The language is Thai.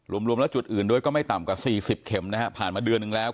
รวมแล้วจุดอื่นด้วยก็ไม่ต่ำกว่าสี่สิบเข็มนะฮะผ่านมาเดือนหนึ่งแล้ว